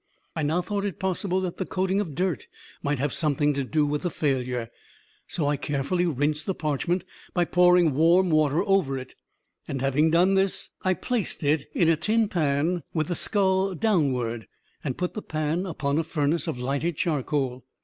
I now thought it possible that the coating of dirt might have something to do with the failure: so I carefully rinsed the parchment by pouring warm water over it, and, having done this, I placed it in a tin pan, with the skull downward, and put the pan upon a furnace of lighted charcoal.